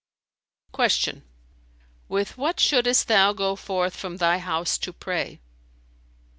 "[FN#301] Q "With what shouldest thou go forth from thy house to pray?"